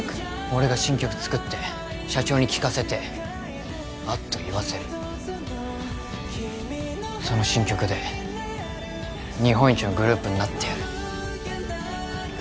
俺が新曲作って社長に聴かせてあっといわせるその新曲で日本一のグループになってやる・